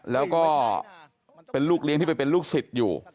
แล้วก็เป็นลูกเลี้ยงที่ไปเป็นลูกศิษย์อยู่